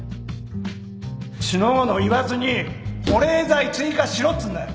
四の五の言わずに保冷剤追加しろっつうんだよ！